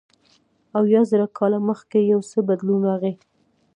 اویا زره کاله مخکې یو څه بدلون راغی.